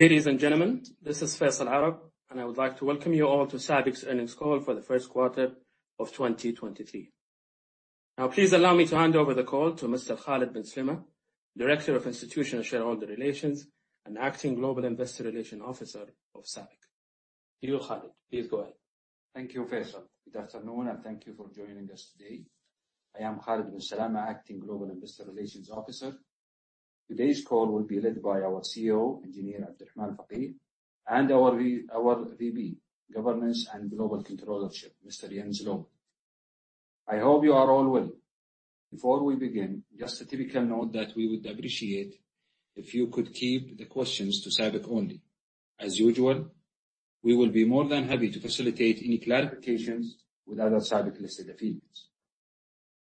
Ladies and gentlemen, this is Faisal Arab, and I would like to welcome you all to SABIC's earnings call for the first quarter of 2023. Now, please allow me to hand over the call to Mr. Khalid Bin Salma, Director of Institutional Shareholder Relations and acting Global Investor Relations Officer of SABIC. To you, Khalid. Please go ahead. Thank you, Faisal. Good afternoon, thank you for joining us today. I am Khalid Binsalamah, Executive Director. Today's call will be led by our CEO, Engineer Abdulrahman Al-Fageeh, and our VP, Governance and Global Controllership, Mr. Jens Lohmann. I hope you are all well. Before we begin, just a typical note that we would appreciate if you could keep the questions to SABIC only. As usual, we will be more than happy to facilitate any clarifications with other SABIC-listed affiliates.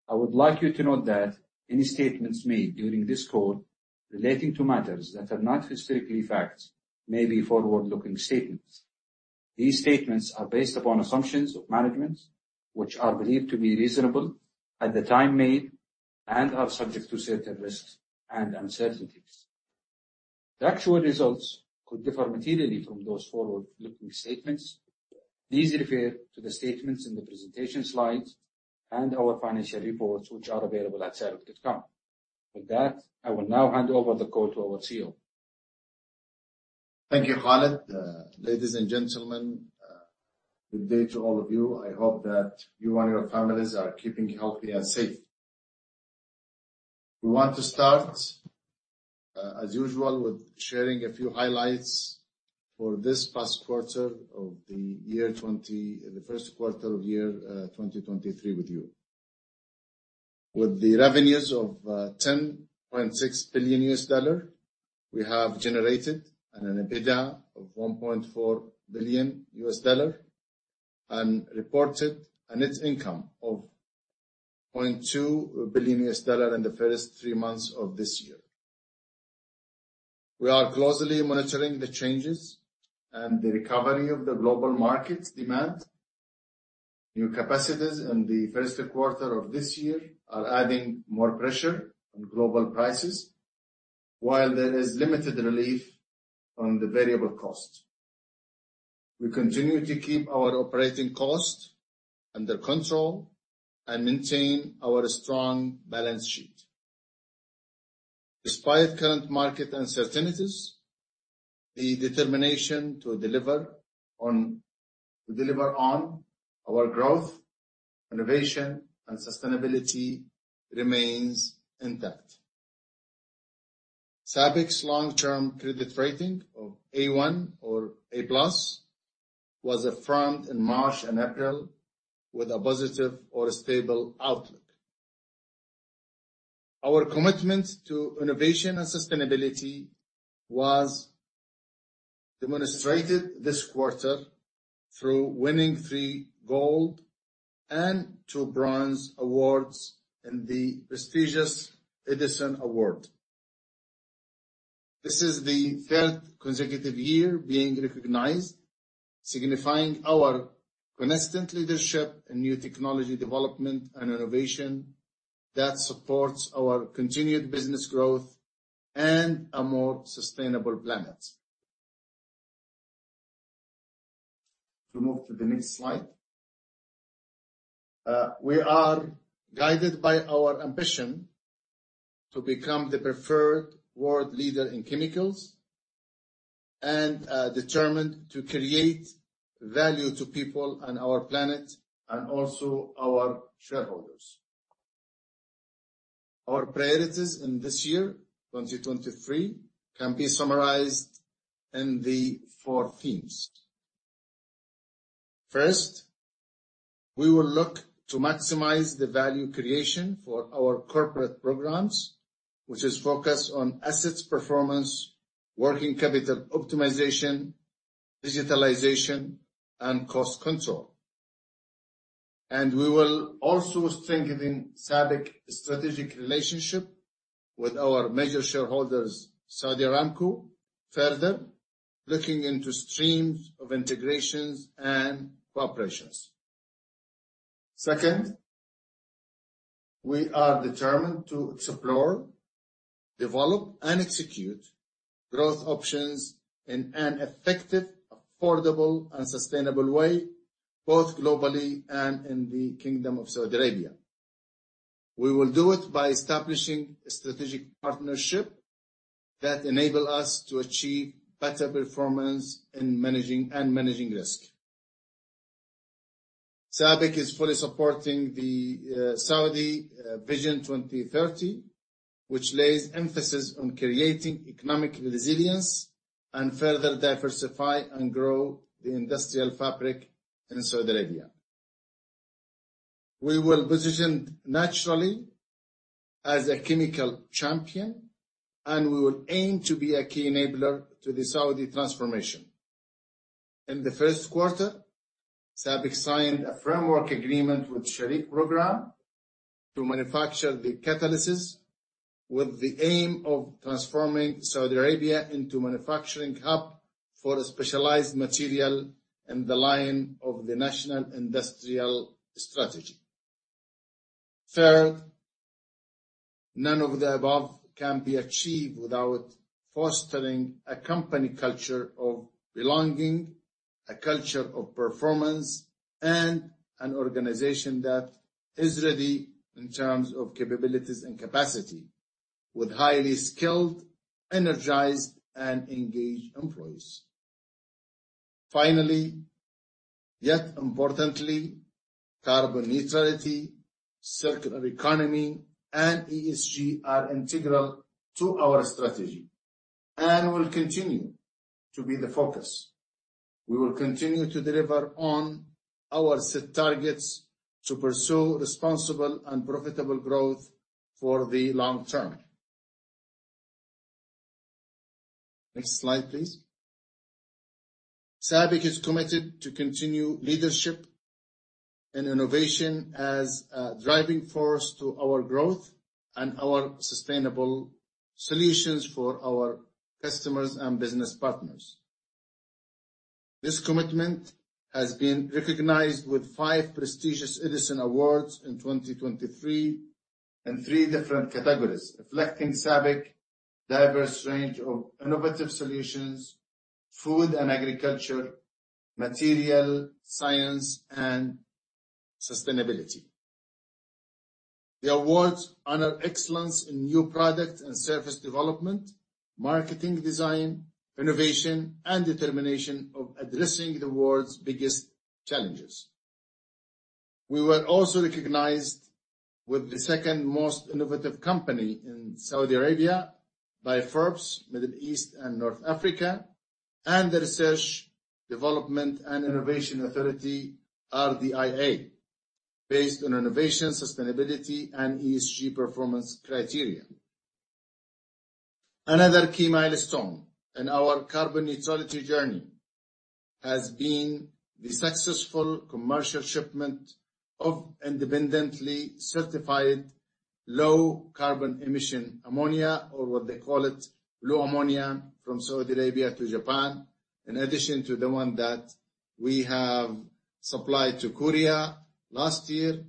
I would like you to note that any statements made during this call relating to matters that are not historically facts may be forward-looking statements. These statements are based upon assumptions of management, which are believed to be reasonable at the time made and are subject to certain risks and uncertainties. The actual results could differ materially from those forward-looking statements. Please refer to the statements in the presentation slides and our financial reports, which are available at sabic.com. With that, I will now hand over the call to our CEO. Thank you, Khalid. Ladies and gentlemen, good day to all of you. I hope that you and your families are keeping healthy and safe. We want to start, as usual, with sharing a few highlights for the first quarter of 2023 with you. With the revenues of $10.6 billion, we have generated an EBITDA of $1.4 billion and reported a net income of $2 billion in the first three months of this year. We are closely monitoring the changes and the recovery of the global market demand. New capacities in the first quarter of this year are adding more pressure on global prices, while there is limited relief on the variable cost. We continue to keep our operating cost under control and maintain our strong balance sheet. Despite current market uncertainties, the determination to deliver on our growth, innovation, and sustainability remains intact. SABIC's long-term credit rating of A.1 or A+ was affirmed in March and April with a positive or stable outlook. Our commitment to innovation and sustainability was demonstrated this quarter through winning three gold and two bronze awards in the prestigious Edison Awards. This is the third consecutive year being recognized, signifying our consistent leadership in new technology development and innovation that supports our continued business growth and a more sustainable planet. To move to the next slide. We are guided by our ambition to become the preferred world leader in chemicals and determined to create value to people on our planet and also our shareholders. Our priorities in this year, 2023, can be summarized in the four themes. First, we will look to maximize the value creation for our corporate programs, which is focused on assets performance, working capital optimization, digitalization, and cost control. We will also strengthen SABIC strategic relationship with our major shareholders, Saudi Aramco, further looking into streams of integrations and cooperations. Second, we are determined to explore, develop, and execute growth options in an effective, affordable, and sustainable way, both globally and in the Kingdom of Saudi Arabia. We will do it by establishing a strategic partnership that enable us to achieve better performance in managing risk. SABIC is fully supporting the Saudi Vision 2030, which lays emphasis on creating economic resilience and further diversify and grow the industrial fabric in Saudi Arabia. We will position naturally as a chemical champion, and we will aim to be a key enabler to the Saudi transformation. In the first quarter, SABIC signed a framework agreement with Shareek Program to manufacture the catalysts with the aim of transforming Saudi Arabia into manufacturing hub for specialized material in the line of the National Industrial Strategy. Third, none of the above can be achieved without fostering a company culture of belonging, a culture of performance, and an organization that is ready in terms of capabilities and capacity, with highly skilled, energized, and engaged employees. Finally, yet importantly, carbon neutrality, circular economy, and ESG are integral to our strategy and will continue to be the focus. We will continue to deliver on our set targets to pursue responsible and profitable growth for the long term. Next slide, please. SABIC is committed to continue leadership and innovation as a driving force to our growth and our sustainable solutions for our customers and business partners. This commitment has been recognized with five prestigious Edison Awards in 2023 in three different categories, reflecting SABIC diverse range of innovative solutions, food and agriculture, material science, and sustainability. The awards honor excellence in new product and service development, marketing, design, innovation, and determination of addressing the world's biggest challenges. We were also recognized with the second most innovative company in Saudi Arabia by Forbes Middle East and North Africa and the Research, Development and Innovation Authority, RDIA, based on innovation, sustainability, and ESG performance criteria. Another key milestone in our carbon neutrality journey has been the successful commercial shipment of independently certified low-carbon ammonia, or what they call it, low ammonia, from Saudi Arabia to Japan, in addition to the one that we have supplied to Korea last year.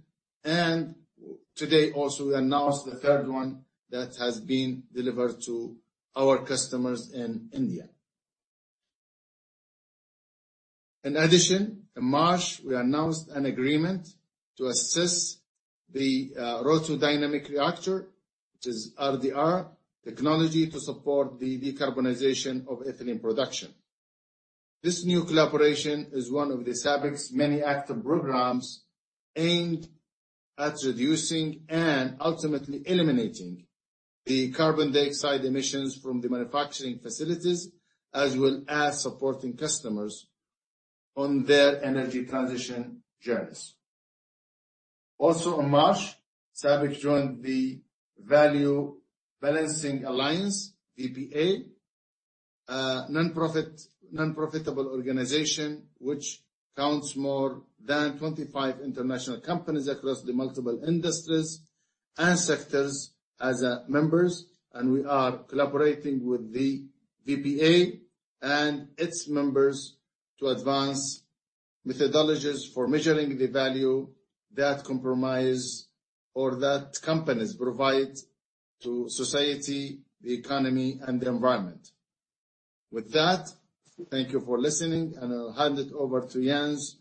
Today also we announced the third one that has been delivered to our customers in India. In addition, in March, we announced an agreement to assess the RotoDynamic Reactor, which is RDR technology to support the decarbonization of ethylene production. This new collaboration is one of SABIC's many active programs aimed at reducing and ultimately eliminating the carbon dioxide emissions from the manufacturing facilities, as well as supporting customers on their energy transition journeys. Also in March, SABIC joined the Value Balancing Alliance, VBA, a non-profitable organization which counts more than 25 international companies across the multiple industries and sectors as members. We are collaborating with the VBA and its members to advance methodologies for measuring the value that companies provide to society, the economy, and the environment. With that, thank you for listening, and I'll hand it over to Jens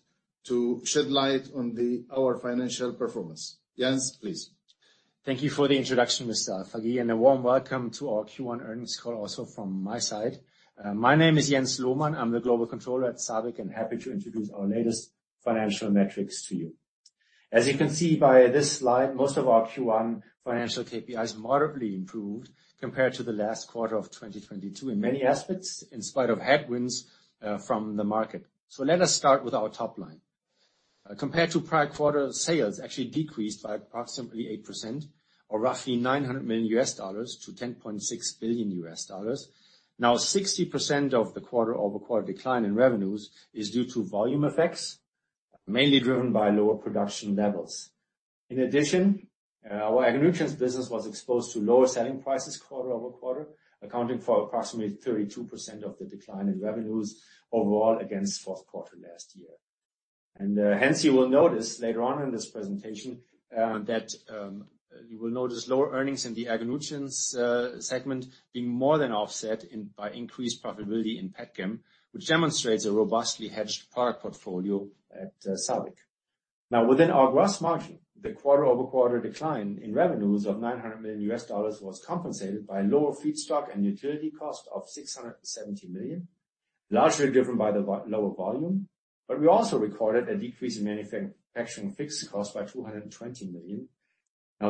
to shed light on our financial performance. Jens, please. Thank you for the introduction, Mr. Al-Fageeh, and a warm welcome to our Q1 earnings call also from my side. My name is Jens Lohmann. I'm the Global Controller at SABIC and happy to introduce our latest financial metrics to you. As you can see by this slide, most of our Q1 financial KPIs moderately improved compared to the last quarter of 2022 in many aspects, in spite of headwinds from the market. Let us start with our top line. Compared to prior quarter, sales actually decreased by approximately 8% or roughly $900 million to $10.6 billion. 60% of the quarter-over-quarter decline in revenues is due to volume effects, mainly driven by lower production levels. In addition, our Agri-Nutrients business was exposed to lower selling prices quarter-over-quarter, accounting for approximately 32% of the decline in revenues overall against fourth quarter last year. Hence, you will notice later on in this presentation that you will notice lower earnings in the Agri-Nutrients segment being more than offset by increased profitability in Petchem, which demonstrates a robustly hedged product portfolio at SABIC. Within our gross margin, the quarter-over-quarter decline in revenues of $900 million was compensated by lower feedstock and utility cost of $670 million, largely driven by the lower volume. We also recorded a decrease in manufacturing fixed cost by $220 million.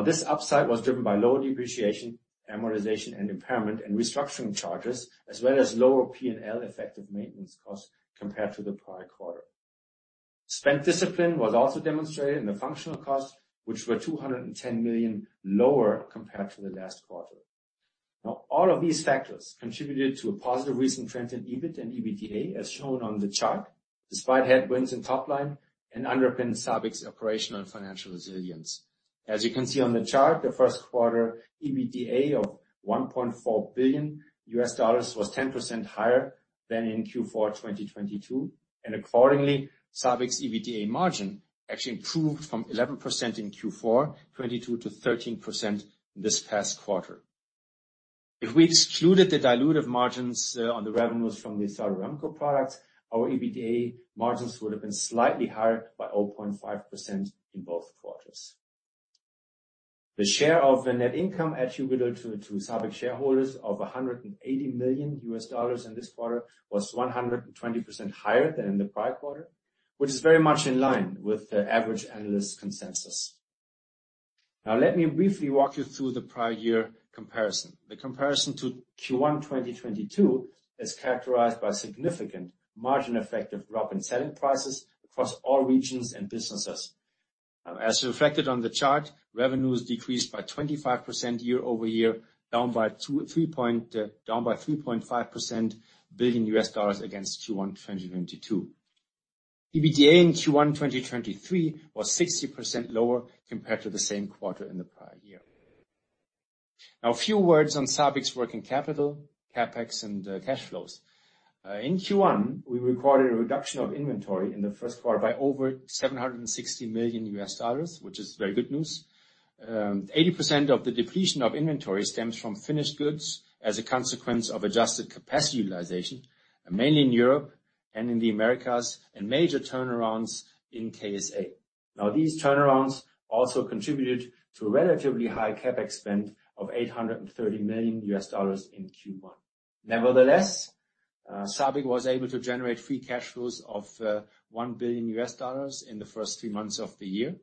This upside was driven by lower depreciation, amortization, impairment and restructuring charges, as well as lower P&L effective maintenance costs compared to the prior quarter. Spent discipline was also demonstrated in the functional costs, which were 210 million lower compared to the last quarter. All of these factors contributed to a positive recent trend in EBIT and EBITDA, as shown on the chart, despite headwinds in top line and underpin SABIC's operational and financial resilience. As you can see on the chart, the first quarter EBITDA of $1.4 billion was 10% higher than in Q4 2022, and accordingly, SABIC's EBITDA margin actually improved from 11% in Q4 2022 to 13% this past quarter. If we excluded the dilutive margins on the revenues from the Saudi Aramco products, our EBITDA margins would have been slightly higher by 0.5% in both quarters. The share of the net income attributable to SABIC shareholders of $180 million in this quarter was 120% higher than in the prior quarter, which is very much in line with the average analyst consensus. Let me briefly walk you through the prior year comparison. The comparison to Q1 2022 is characterized by significant margin effect of drop in selling prices across all regions and businesses. As reflected on the chart, revenues decreased by 25% year-over-year, down by $3.5 percent billion US dollars against Q1 2022. EBITDA in Q1 2023 was 60% lower compared to the same quarter in the prior year. A few words on SABIC's working capital, CapEx and cash flows. In Q1, we recorded a reduction of inventory in the first quarter by over $760 million US dollars, which is very good news. 80% of the depletion of inventory stems from finished goods as a consequence of adjusted capacity utilization, mainly in Europe and in the Americas, and major turnarounds in KSA. These turnarounds also contributed to a relatively high CapEx spend of $830 million in Q1. SABIC was able to generate free cash flows of $1 billion in the first three months of the year,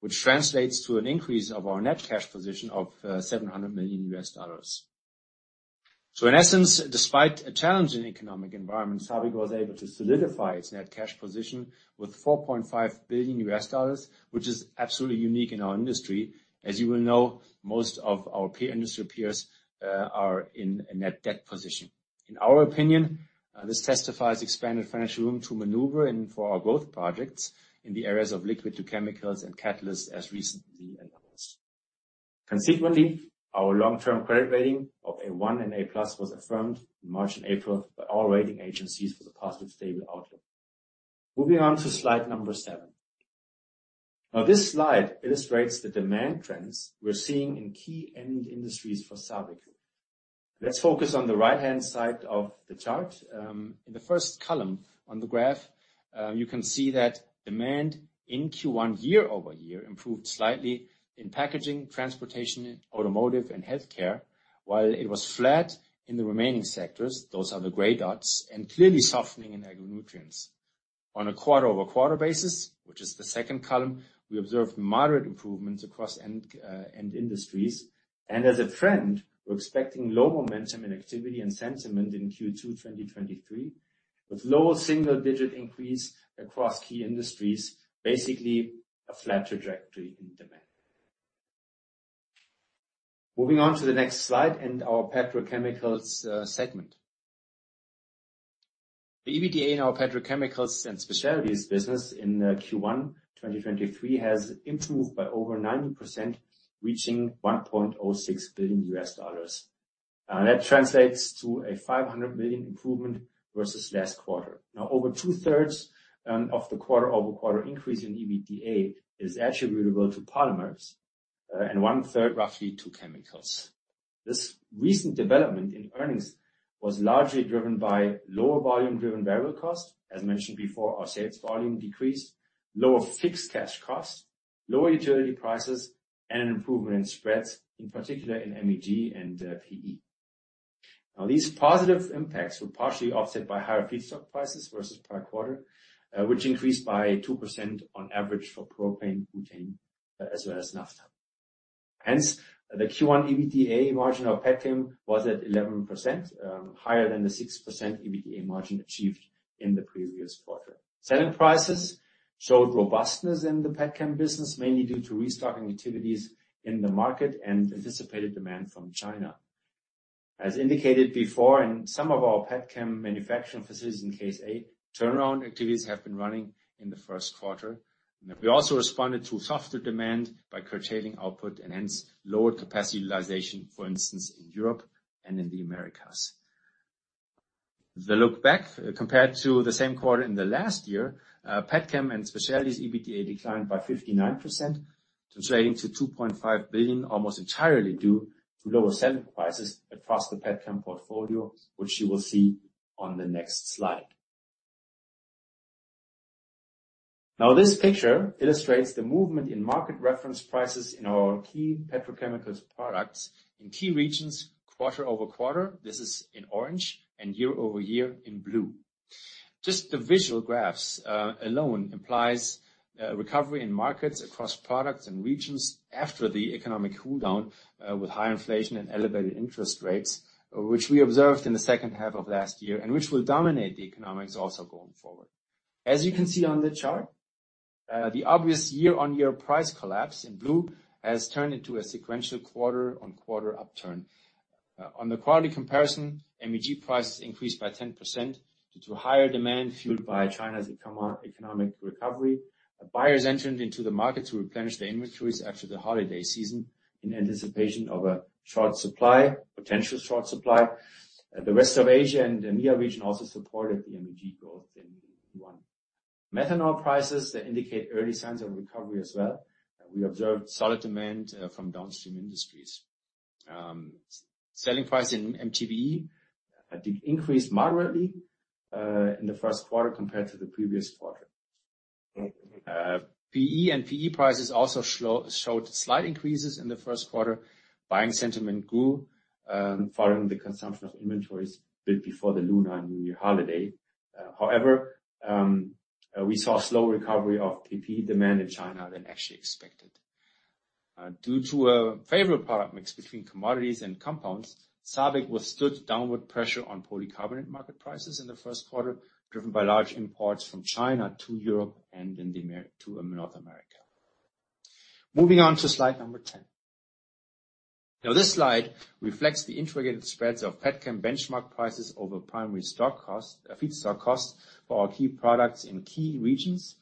which translates to an increase of our net cash position of $700 million. In essence, despite a challenging economic environment, SABIC was able to solidify its net cash position with $4.5 billion, which is absolutely unique in our industry. As you will know, most of our industry peers are in a net debt position. In our opinion, this testifies expanded financial room to maneuver and for our growth projects in the areas of Liquids to Chemicals and catalysts as recently announced. Consequently, our long-term credit rating of A.1 and A+ was affirmed in March and April by all rating agencies for the positive stable outlook. Moving on to slide number 7. This slide illustrates the demand trends we're seeing in key end industries for SABIC. Let's focus on the right-hand side of the chart. In the first column on the graph, you can see that demand in Q1 year-over-year improved slightly in packaging, transportation, automotive and healthcare, while it was flat in the remaining sectors, those are the gray dots, and clearly softening in Agri-Nutrients. On a quarter-over-quarter basis, which is the second column, we observed moderate improvements across end industries. As a trend, we're expecting low momentum in activity and sentiment in Q2, 2023, with low single-digit increase across key industries, basically a flat trajectory in demand. Moving on to the next slide and our Petrochemicals segment. The EBITDA in our Petrochemicals and Specialties business in Q1 2023 has improved by over 90%, reaching $1.06 billion. That translates to a $500 million improvement versus last quarter. Over two-thirds of the quarter-over-quarter increase in EBITDA is attributable to polymers and one-third roughly to chemicals. This recent development in earnings was largely driven by lower volume-driven variable costs. As mentioned before, our sales volume decreased. Lower fixed cash costs, lower utility prices, and an improvement in spreads, in particular in MEG and PE. These positive impacts were partially offset by higher feedstock prices versus prior quarter, which increased by 2% on average for propane, butane, as well as naphtha. The Q1 EBITDA margin of Petchem was at 11%, higher than the 6% EBITDA margin achieved in the previous quarter. Selling prices showed robustness in the Petchem business, mainly due to restocking activities in the market and anticipated demand from China. As indicated before, in some of our Petchem manufacturing facilities in KSA, turnaround activities have been running in the first quarter. We also responded to softer demand by curtailing output and hence lower capacity utilization, for instance, in Europe and in the Americas. The look back compared to the same quarter in the last year, Petchem and Specialties EBITDA declined by 59%, translating to 2.5 billion, almost entirely due to lower selling prices across the Petchem portfolio, which you will see on the next slide. This picture illustrates the movement in market reference prices in our key petrochemicals products in key regions quarter-over-quarter, this is in orange, and year-over-year in blue. The visual graphs alone implies recovery in markets across products and regions after the economic slowdown with high inflation and elevated interest rates, which we observed in the second half of last year, and which will dominate the economics also going forward. As you can see on the chart, the obvious year-on-year price collapse in blue has turned into a sequential quarter-on-quarter upturn. On the quarterly comparison, MEG prices increased by 10% due to higher demand fueled by China's economic recovery. Buyers entered into the market to replenish their inventories after the holiday season in anticipation of a short supply, potential short supply. The rest of Asia and the MEA region also supported the MEG growth in Q1. methanol prices that indicate early signs of recovery as well. We observed solid demand from downstream industries. Selling price in MTBE increased moderately in the first quarter compared to the previous quarter. PE and PP prices also showed slight increases in the first quarter. Buying sentiment grew following the consumption of inventories built before the Lunar New Year holiday. However, we saw a slow recovery of PE demand in China than actually expected. Due to a favorable product mix between commodities and compounds, SABIC withstood downward pressure on polycarbonate market prices in the first quarter, driven by large imports from China to Europe and to North America. Moving on to slide number 10. Now this slide reflects the integrated spreads of Petchem benchmark prices over primary stock cost, feedstock costs for our key products in key regions,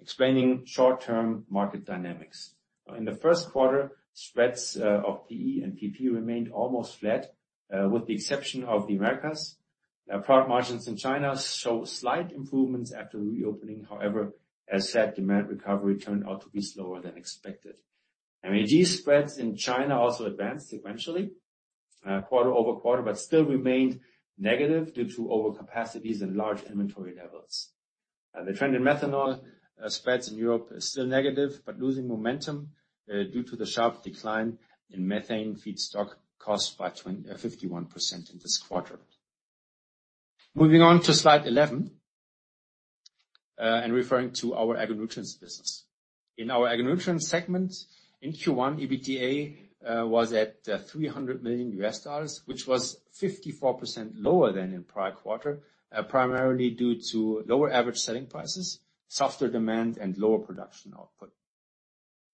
explaining short-term market dynamics. In the first quarter, spreads of PE and PP remained almost flat, with the exception of the Americas. Product margins in China show slight improvements after reopening. However, as said, demand recovery turned out to be slower than expected. MEG spreads in China also advanced sequentially, quarter-over-quarter, but still remained negative due to overcapacities and large inventory levels. The trend in methanol spreads in Europe is still negative, but losing momentum due to the sharp decline in methane feedstock costs by 51% in this quarter. Moving on to slide 11, and referring to our Agri-Nutrients business. In our Agri-Nutrients segment in Q1, EBITDA was at $300 million, which was 54% lower than in prior quarter, primarily due to lower average selling prices, softer demand and lower production output.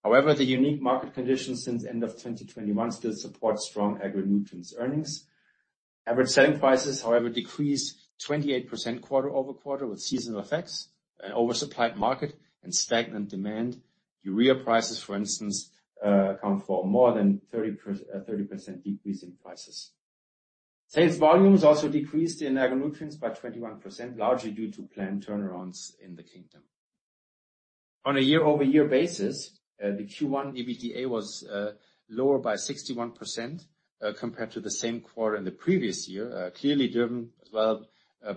The unique market conditions since end of 2021 still support strong Agri-Nutrients earnings. Average selling prices, however, decreased 28% quarter-over-quarter with seasonal effects, an oversupplied market and stagnant demand. Urea prices, for instance, account for more than 30% decrease in prices. Sales volumes also decreased in Agri-Nutrients by 21%, largely due to planned turnarounds in the kingdom. On a year-over-year basis, the Q1 EBITDA was lower by 61% compared to the same quarter in the previous year, clearly driven as well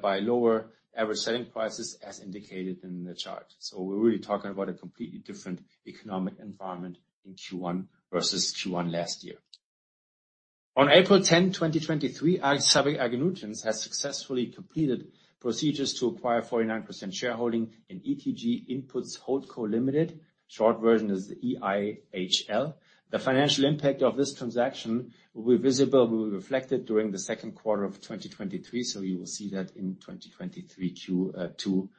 by lower average selling prices as indicated in the chart. We're really talking about a completely different economic environment in Q1 versus Q1 last year. On April 10, 2023, SABIC Agri-Nutrients has successfully completed procedures to acquire 49% shareholding in ETG Inputs Holdco Limited. Short version is the EIHL. The financial impact of this transaction will be reflected during the second quarter of 2023. You will see that in 2023 Q2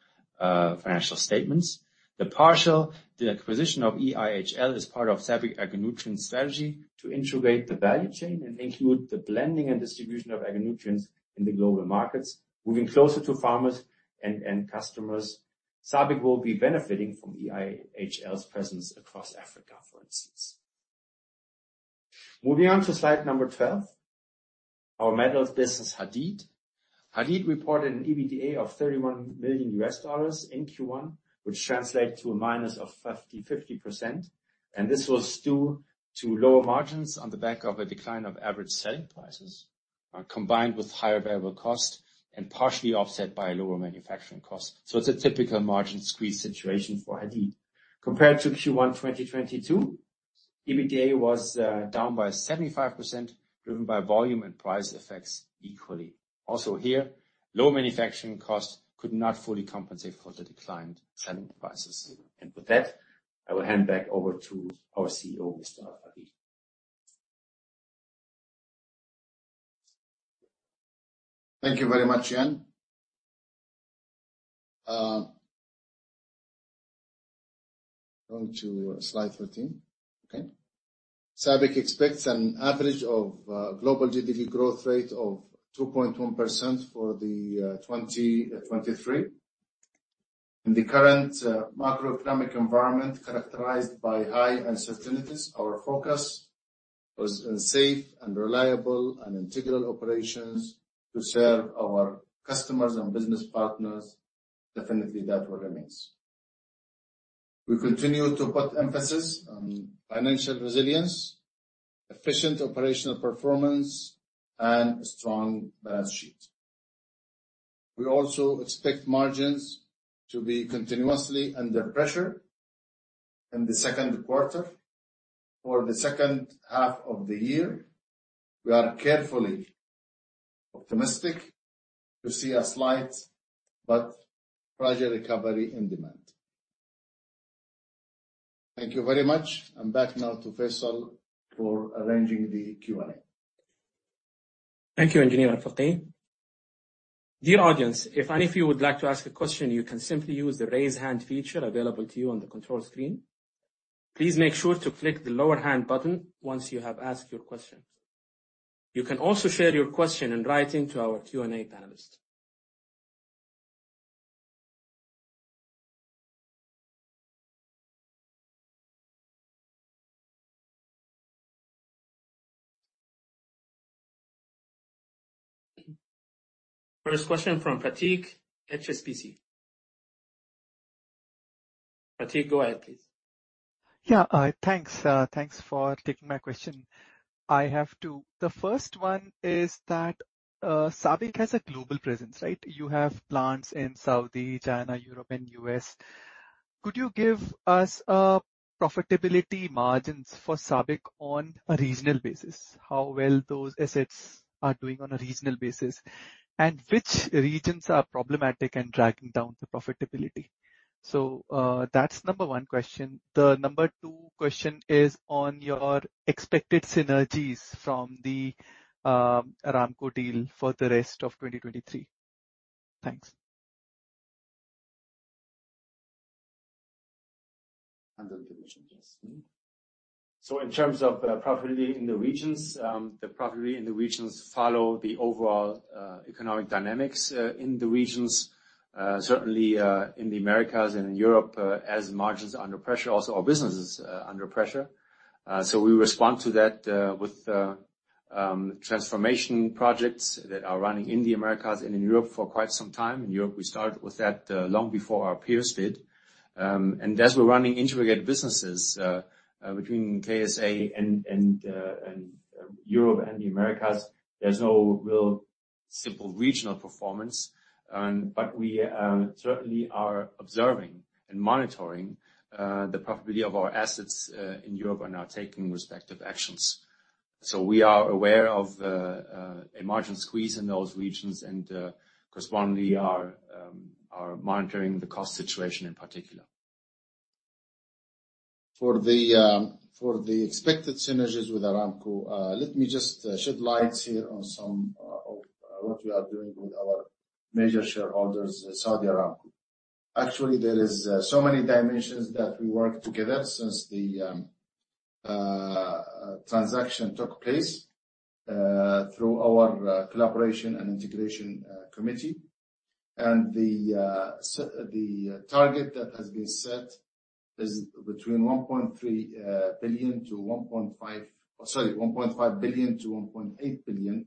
financial statements. The acquisition of EIHL is part of SABIC Agri-Nutrients strategy to integrate the value chain and include the blending and distribution of Agri-Nutrients in the global markets, moving closer to farmers and end customers. SABIC will be benefiting from EIHL's presence across Africa, for instance. Moving on to slide number 12, our metals business, Hadeed. Hadeed reported an EBITDA of $31 million in Q1, which translate to a minus of 50%, and this was due to lower margins on the back of a decline of average selling prices, combined with higher variable cost and partially offset by lower manufacturing costs. It's a typical margin squeeze situation for Hadeed. Compared to Q1 2022, EBITDA was down by 75%, driven by volume and price effects equally. Also here, lower manufacturing costs could not fully compensate for the declined selling prices. With that, I will hand back over to our CEO, Mr. Al-Fageeh. Thank you very much, Jens. Going to slide 13. Okay. SABIC expects an average of global GDP growth rate of 2.1% for 2023. In the current macroeconomic environment characterized by high uncertainties, our focus was on safe and reliable and integral operations to serve our customers and business partners. Definitely, that will remains. We continue to put emphasis on financial resilience, efficient operational performance and a strong balance sheet. We also expect margins to be continuously under pressure in the second quarter. For the second half of the year, we are carefully optimistic to see a slight but gradual recovery in demand. Thank you very much. I'm back now to Faisal for arranging the Q&A. Thank you, Engineer Al-Fageeh. Dear audience, if any of you would like to ask a question, you can simply use the raise hand feature available to you on the control screen. Please make sure to click the lower hand button once you have asked your question. You can also share your question in writing to our Q&A panelist. First question from Prateek, HSBC. Prateek, go ahead please. Yeah, thanks. Thanks for taking my question. I have 2. The first one is that SABIC has a global presence, right? You have plants in Saudi, China, Europe, and U.S. Could you give us profitability margins for SABIC on a regional basis? How well those assets are doing on a regional basis, and which regions are problematic and dragging down the profitability? That's number one question. The number two question is on your expected synergies from the Aramco deal for the rest of 2023. Thanks. You can mention, yes. In terms of profitability in the regions, the profitability in the regions follow the overall economic dynamics in the regions. Certainly, in the Americas and in Europe, as margins are under pressure, also our business is under pressure. We respond to that with transformation projects that are running in the Americas and in Europe for quite some time. In Europe, we started with that long before our peers did. As we are running integrated businesses between KSA and Europe and the Americas, there is no real simple regional performance. But we certainly are observing and monitoring the profitability of our assets in Europe and are now taking respective actions. We are aware of a margin squeeze in those regions and correspondingly are monitoring the cost situation in particular. For the expected synergies with Aramco, let me just shed light here on some of what we are doing with our major shareholders, Saudi Aramco. Actually, there is so many dimensions that we work together since the transaction took place through our collaboration and integration committee. The target that has been set is between 1.3 billion-1.5 billion. Sorry, 1.5 billion-1.8 billion. On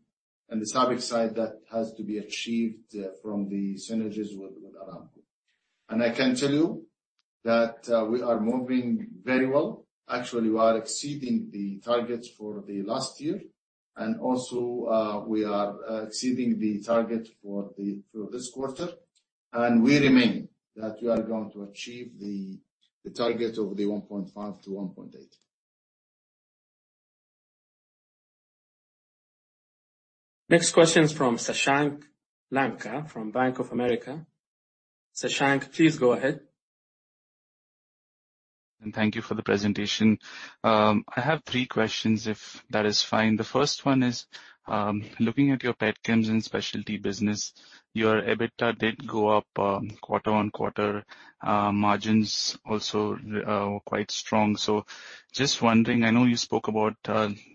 the SABIC side, that has to be achieved from the synergies with Aramco. I can tell you that we are moving very well. Actually, we are exceeding the targets for the last year. Also, we are exceeding the target for this quarter. We remain that we are going to achieve the target of the 1.5-1.8. Next question is from Sashank Lanka from Bank of America. Sashank, please go ahead. Thank you for the presentation. I have three questions if that is fine. The 1st one is, looking at your Petchem and specialty business, your EBITDA did go up quarter-on-quarter. Margins also were quite strong. Just wondering, I know you spoke about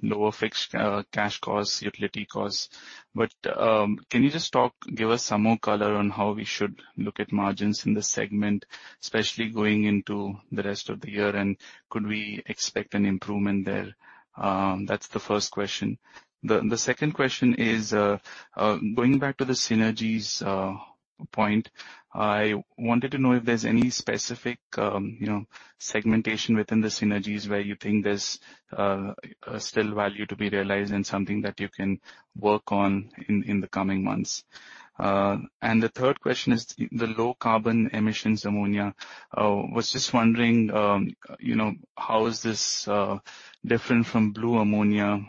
lower fixed cash costs, utility costs, can you just give us some more color on how we should look at margins in this segment, especially going into the rest of the year? Could we expect an improvement there? That's the 1st question. The second question is going back to the synergies point, I wanted to know if there's any specific, you know, segmentation within the synergies where you think there's still value to be realized and something that you can work on in the coming months. The third question is the low carbon emissions ammonia. Was just wondering, you know, how is this different from blue ammonia?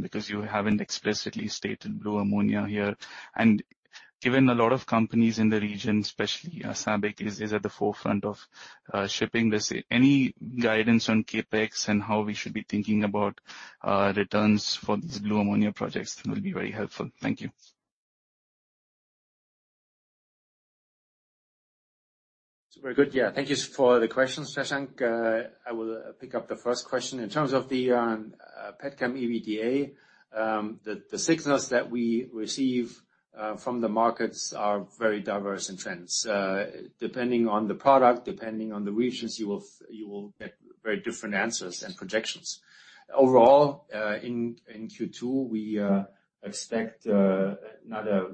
Because you haven't explicitly stated blue ammonia here. Given a lot of companies in the region, especially, SABIC is at the forefront of shipping this, any guidance on CapEx and how we should be thinking about returns for these blue ammonia projects will be very helpful. Thank you. Very good. Yeah. Thank you for the questions, Sashank. I will pick up the first question. In terms of the Petchem EBITDA, the signals that we receive from the markets are very diverse in trends. Depending on the product, depending on the regions, you will get very different answers and projections. Overall, in Q2, we expect not a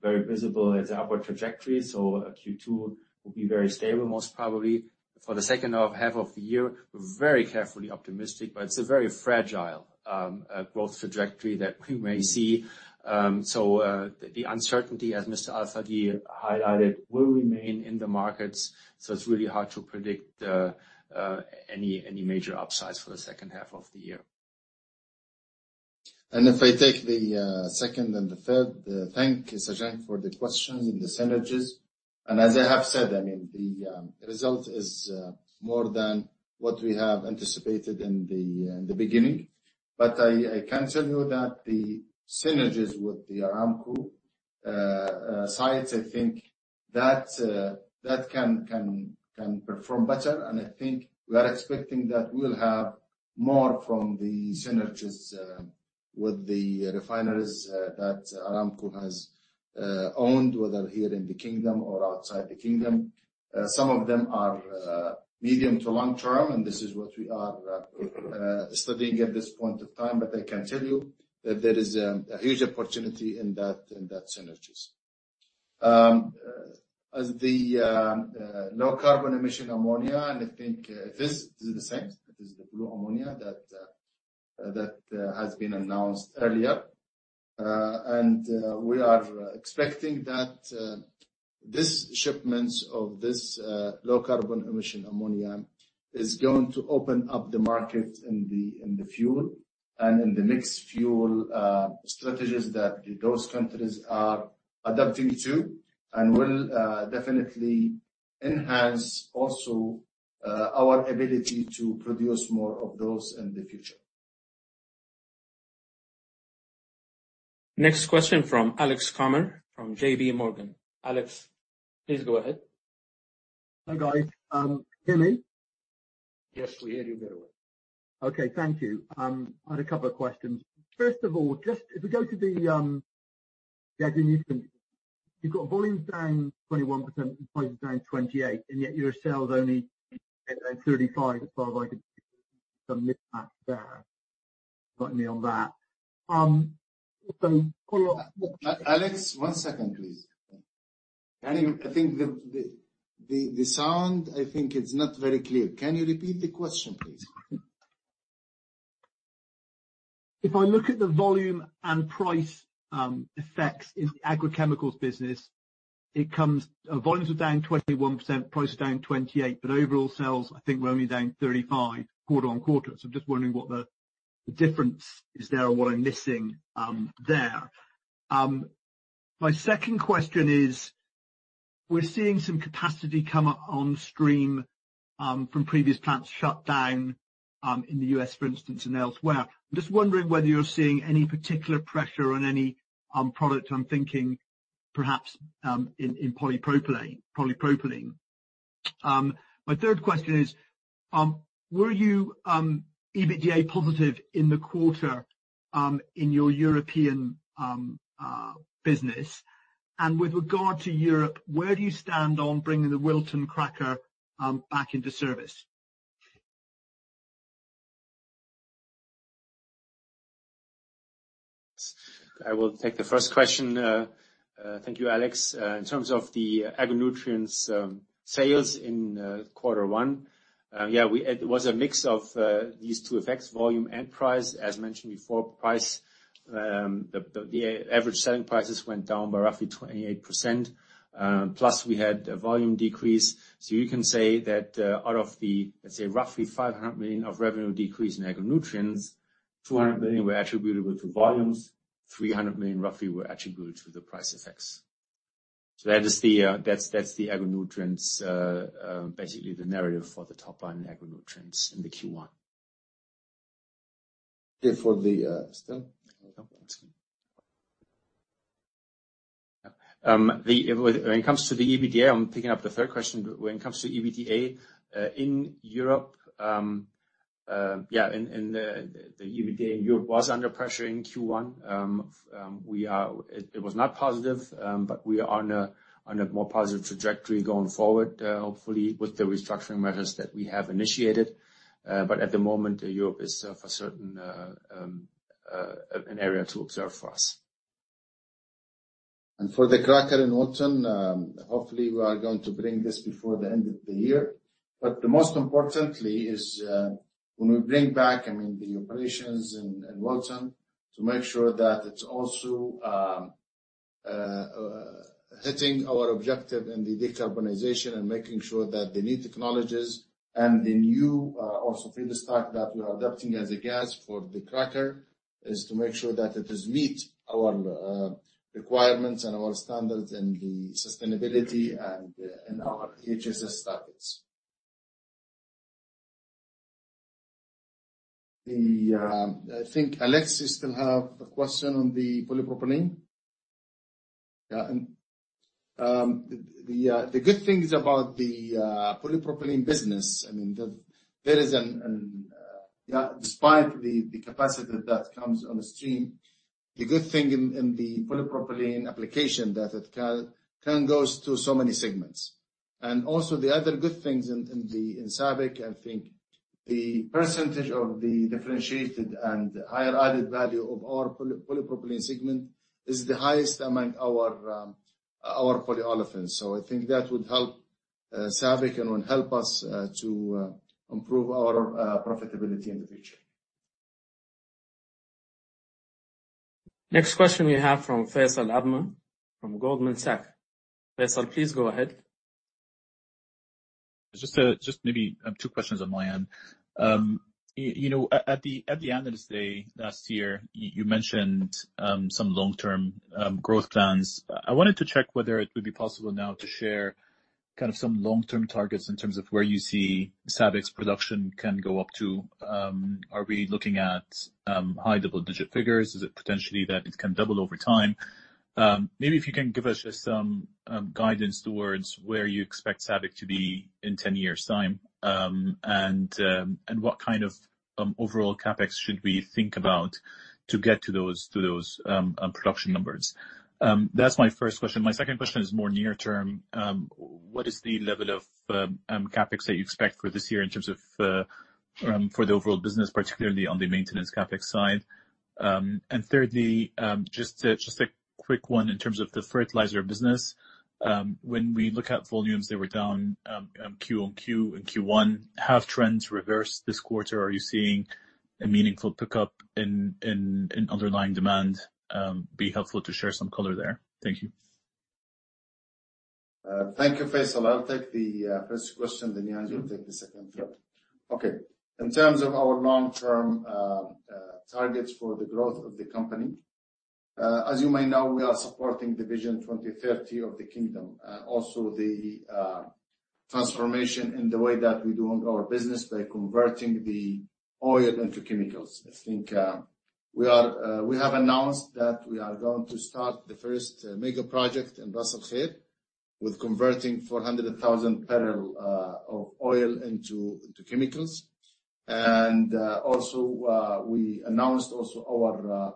very visible as upward trajectory. Q2 will be very stable, most probably. For the second half of the year, we're very carefully optimistic, but it's a very fragile growth trajectory that we may see. The uncertainty, as Mr. Al-Fageeh highlighted, will remain in the markets, so it's really hard to predict any major upsides for the second half of the year. If I take the second and the third, thank you, Shashank, for the question in the synergies. As I have said, I mean, the result is more than what we have anticipated in the beginning. I can tell you that the synergies with the Aramco sites, I think that can perform better. I think we are expecting that we'll have more from the synergies with the refineries that Aramco has owned, whether here in the kingdom or outside the kingdom. Some of them are medium to long term, and this is what we are studying at this point of time. I can tell you that there is a huge opportunity in that synergies. As the low-carbon emission ammonia, and I think this is the same, it is the blue ammonia that has been announced earlier. We are expecting that this shipments of this low-carbon emission ammonia is going to open up the market in the fuel and in the mixed-fuel strategies that those countries are adapting to and will definitely enhance also our ability to produce more of those in the future. Next question from Alex Kramer from JPMorgan. Alex, please go ahead. Hi, guys. Can you hear me? Yes, we hear you very well. Thank you. I had a couple of questions. First of all, just if we go to the Agri-Nutrients, you've got volumes down 21% and prices down 28%, and yet your sales only at 35%. As far as I could some mismatch there. Got me on that. Also follow up. Alex, one second, please. The sound, it's not very clear. Can you repeat the question, please? If I look at the volume and price effects in the agrochemicals business, Volumes are down 21%, price is down 28%, but overall sales, I think we're only down 35% quarter-on-quarter. I'm just wondering what the difference is there or what I'm missing there. My second question is, we're seeing some capacity come on stream from previous plants shut down in the U.S. for instance, and elsewhere. I'm just wondering whether you're seeing any particular pressure on any product. I'm thinking perhaps in polypropylene. My third question is, were you EBITDA positive in the quarter in your European business? With regard to Europe, where do you stand on bringing the Wilton cracker back into service? I will take the first question. Thank you, Alex. In terms of the Agri-Nutrients sales in Q1, yeah, It was a mix of these two effects, volume and price. As mentioned before, price, the average selling prices went down by roughly 28%. Plus, we had a volume decrease. You can say that, out of the, let's say, roughly $500 million of revenue decrease in Agri-Nutrients, $200 million were attributable to volumes, $300 million roughly were attributable to the price effects. That is the, that's the Agri-Nutrients', basically the narrative for the top line Agri-Nutrients in the Q1. For the Stan. Excuse me. When it comes to the EBITDA, I'm picking up the third question. When it comes to EBITDA in Europe, the EBITDA in Europe was under pressure in Q1. It was not positive, we are on a more positive trajectory going forward, hopefully with the restructuring measures that we have initiated. At the moment, Europe is for certain an area to observe for us. For the cracker in Wilton, hopefully we are going to bring this before the end of the year. The most importantly is, when we bring back, I mean, the operations in Wilton to make sure that it's also hitting our objective in the decarbonization and making sure that the new technologies and the new also feedstock that we are adapting as a gas for the cracker, is to make sure that it does meet our requirements and our standards and the sustainability and our EHSS targets. I think Alex, you still have a question on the polypropylene? Yeah. The good things about the polypropylene business, I mean, there is an, despite the capacity that comes on the stream, the good thing in the polypropylene application that it can goes to so many segments. The other good things in SABIC, I think the percentage of the differentiated and higher added value of our polypropylene segment is the highest among our polyolefins. I think that would help SABIC and would help us to improve our profitability in the future. Next question we have from Faisal AlAzmeh from Goldman Sachs. Faisal, please go ahead. Maybe 2 questions on my end. At the Analyst Day last year, you mentioned some long-term growth plans. I wanted to check whether it would be possible now to share kind of some long-term targets in terms of where you see SABIC's production can go up to. Are we looking at high double-digit figures? Is it potentially that it can double over time? Maybe if you can give us just some guidance towards where you expect SABIC to be in 10 years' time, and what kind of overall CapEx should we think about to get to those production numbers? That's my 1st question. My 2nd question is more near term. What is the level of CapEx that you expect for this year in terms of for the overall business, particularly on the maintenance CapEx side? Thirdly, Quick one in terms of the fertilizer business. When we look at volumes, they were down Q-on-Q in Q1. Have trends reversed this quarter? Are you seeing a meaningful pickup in underlying demand? Be helpful to share some color there. Thank you. Thank you, Faisal. I'll take the first question, then Angelo will take the second one. Okay. In terms of our long-term targets for the growth of the company, as you may know, we are supporting the Vision 2030 of the kingdom. Also the transformation in the way that we're doing our business by converting the oil into chemicals. I think we have announced that we are going to start the first mega project in Ras Al Khaimah with converting 400,000 barrel of oil into chemicals. Also, we announced also our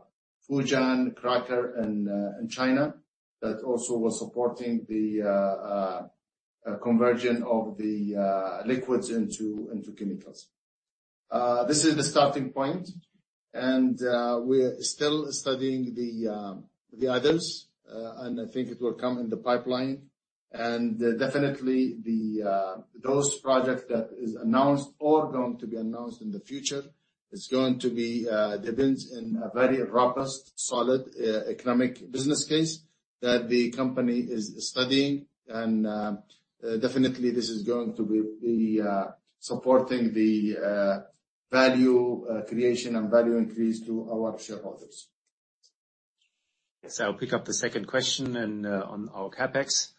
Fujian cracker in China that also was supporting the conversion of the liquids into chemicals. This is the starting point, and we're still studying the others. I think it will come in the pipeline. Definitely the those projects that is announced or going to be announced in the future is going to be depends in a very robust, solid economic business case that the company is studying. Definitely this is going to be supporting the value creation and value increase to our shareholders. Yes, I'll pick up the second question and on our CapEx.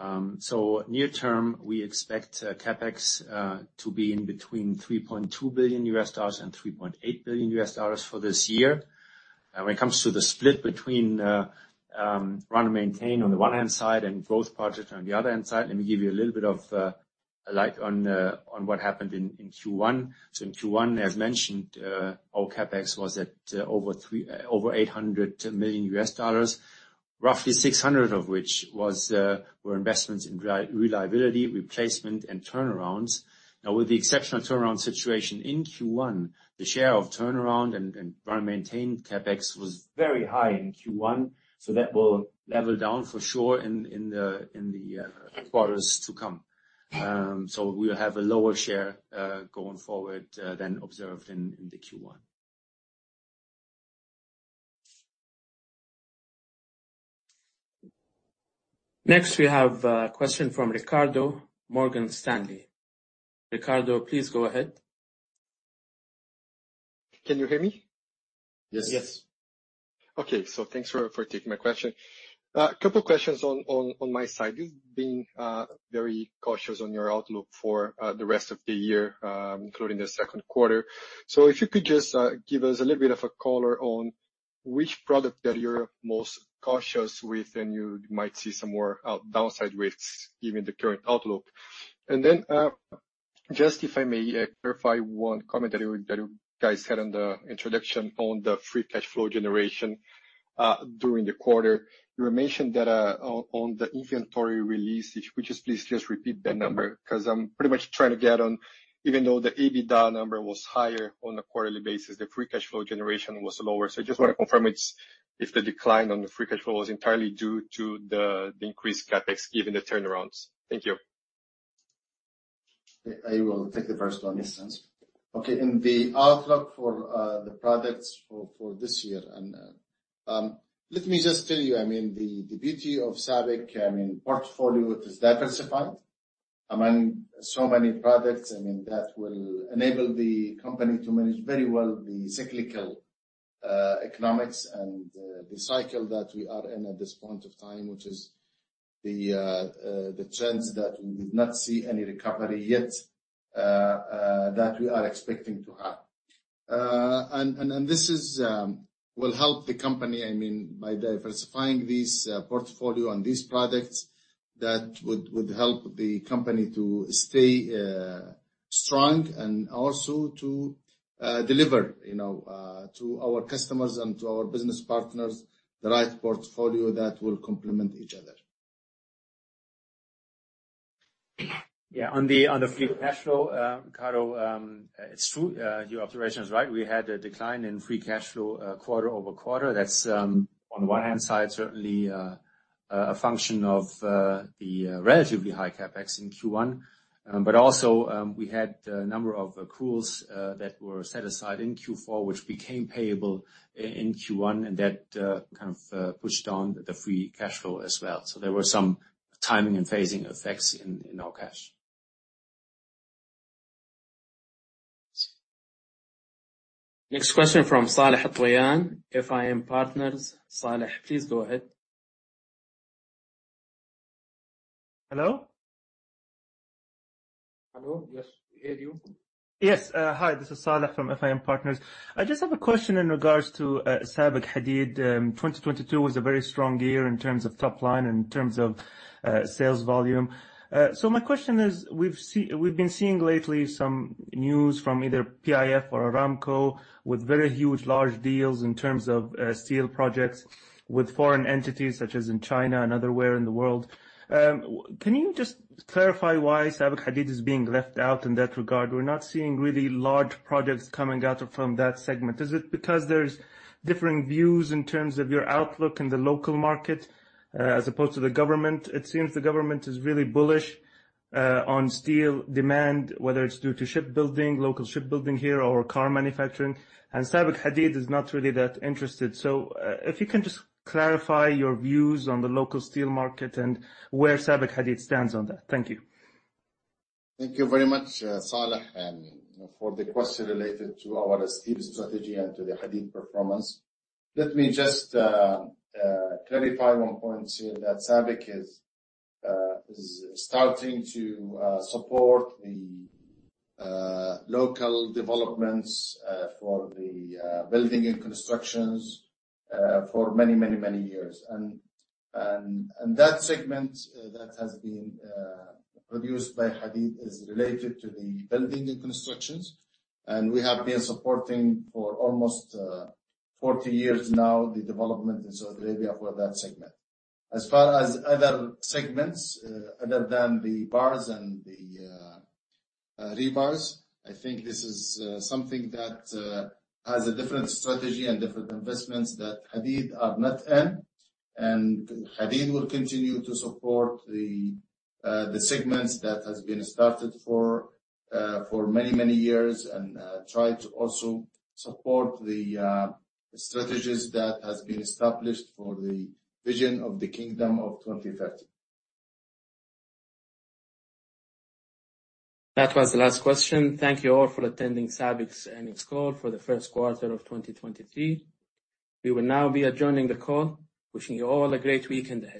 Near term, we expect CapEx to be in between $3.2 billion and $3.8 billion for this year. When it comes to the split between run and maintain on the one hand side and growth project on the other hand side, let me give you a little bit of light on what happened in Q1. In Q1, as mentioned, our CapEx was at over $800 million, roughly 600 of which were investments in re-reliability, replacement and turnarounds. With the exceptional turnaround situation in Q1, the share of turnaround and run maintain CapEx was very high in Q1. That will level down for sure in the quarters to come. We'll have a lower share going forward than observed in the Q1. Next, we have a question from Ricardo, Morgan Stanley. Ricardo, please go ahead. Can you hear me? Yes. Yes. Okay. Thanks for taking my question. two questions on, on my side. You've been very cautious on your outlook for the rest of the year, including the second quarter. If you could just give us a little bit of a color on which product that you're most cautious with and you might see some more out-downside risks given the current outlook. Just if I may clarify om comment that you, that you guys had on the introduction on the free cash flow generation during the quarter. You mentioned that on the inventory release. If you could just please just repeat that number, 'cause I'm pretty much trying to get on even though the EBITDA number was higher on a quarterly basis, the free cash flow generation was lower. I just wanna confirm it's if the decline on the free cash flow is entirely due to the increased CapEx given the turnarounds. Thank you. I will take the first one. Yes. In the outlook for the products for this year and let me just tell you, I mean, the beauty of SABIC, I mean, portfolio is diversified among so many products. I mean, that will enable the company to manage very well the cyclical economics and the cycle that we are in at this point of time, which is the trends that we did not see any recovery yet that we are expecting to have. This is will help the company, I mean, by diversifying this portfolio and these products that would help the company to stay strong and also to deliver, you know, to our customers and to our business partners the right portfolio that will complement each other. On the free cash flow, Ricardo, it's true. Your observation is right. We had a decline in free cash flow, quarter-over-quarter. That's, on the one hand side, certainly, a function of the relatively high CapEx in Q1. Also, we had a number of accruals that were set aside in Q4, which became payable in Q1, and that kind of pushed down the free cash flow as well. There were some timing and phasing effects in our cash. Next question from Saleh Al-Tlayyan, FIM Partners. Saleh, please go ahead. Hello? Hello. Yes. I hear you. Yes. Hi, this is Saleh from FIM Partners. I just have a question in regards to SABIC Hadeed. 2022 was a very strong year in terms of top line and in terms of sales volume. My question is, we've been seeing lately some news from either PIF or Aramco with very huge large deals in terms of steel projects with foreign entities such as in China and other where in the world. Can you just clarify why SABIC Hadeed is being left out in that regard? We're not seeing really large projects coming out from that segment. Is it because there's differing views in terms of your outlook in the local market, as opposed to the government? It seems the government is really bullish on steel demand, whether it's due to shipbuilding, local shipbuilding here or car manufacturing, and SABIC Hadeed is not really that interested. If you can just clarify your views on the local steel market and where SABIC Hadeed stands on that. Thank you. Thank you very much, Saleh, for the question related to our steel strategy and to the Hadeed performance. Let me just clarify one point here that SABIC is starting to support the local developments for the building and constructions for many years. That segment that has been produced by Hadeed is related to the building and constructions. We have been supporting for almost 40 years now the development in Saudi Arabia for that segment. As far as other segments, other than the bars and the rebars, I think this is something that has a different strategy and different investments that Hadeed are not in. Hadeed will continue to support the segments that has been started for many, many years and try to also support the strategies that has been established for the vision of the kingdom of 2030. That was the last question. Thank you all for attending SABIC's earnings call for the first quarter of 2023. We will now be adjourning the call. Wishing you all a great week and end.